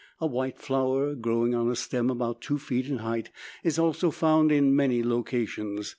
A white flower, growing on a stem about two feet in height, is also found in many locations.